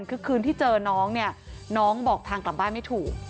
คือคืนที่เจอน้องเนี่ยน้องบอกทางกลับบ้านไม่ถูก